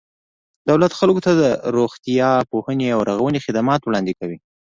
دولت خلکو ته د روغتیا، پوهنې او رغونې خدمات وړاندې کوي.